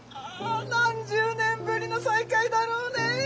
何十年ぶりの再会だろうね。